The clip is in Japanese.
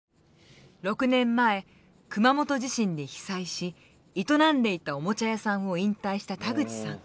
６年前熊本地震で被災し営んでいたおもちゃ屋さんを引退した田口さん。